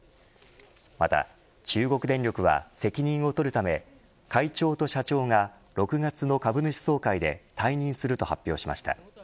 また中国電力は責任を取るため会長と社長が、６月の株主総会で退任すると発表しました。